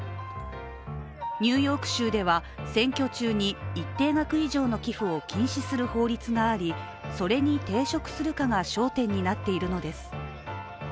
ニューヨーク州では、選挙中に一定額以上の寄付を禁止する法律があり、それに抵触するかが焦点になっているのです。